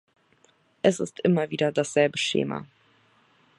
Es ist immer wieder dasselbe Schema.